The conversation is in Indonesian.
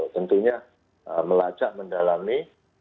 tentunya melacak mendalami